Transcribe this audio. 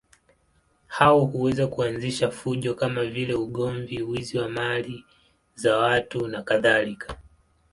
Hao huweza kuanzisha fujo kama vile ugomvi, wizi wa mali za watu nakadhalika.